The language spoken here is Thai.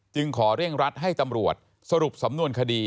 ขอเร่งรัดให้ตำรวจสรุปสำนวนคดี